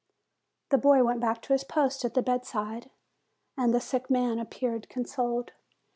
The boy went back to his post at the bedside, and the sick man appeared consoled.